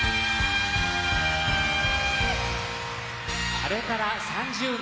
あれから３０年。